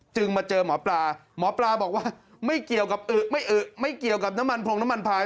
มาเจอหมอปลาหมอปลาบอกว่าไม่เกี่ยวกับอึไม่อึไม่เกี่ยวกับน้ำมันพรงน้ำมันพาย